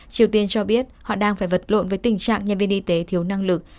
triều tiên cho biết họ đang phải vật lộn với tình trạng nhân viên y tế thiếu năng lực